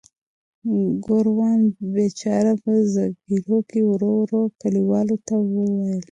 ګوروان بیچاره په زګیروي کې ورو ورو کلیوالو ته وویل.